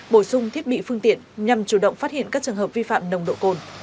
bổ sung thiết bị phương tiện nhằm chủ động phát hiện các trường hợp vi phạm nồng độ cồn